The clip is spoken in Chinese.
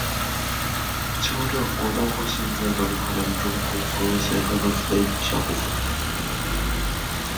酋长国包括现在的乌克兰中部和现俄罗斯的一小部分。